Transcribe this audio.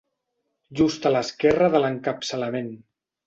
Just a l'esquerra de l'encapçalament.